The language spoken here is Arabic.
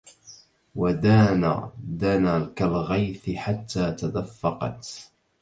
ودان دنا كالغيث حتى تدفقت